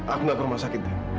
aku tidak perlu masak itu